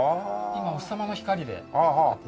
今お日様の光で回ってます。